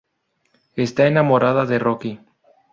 Está enamorada de Rocky.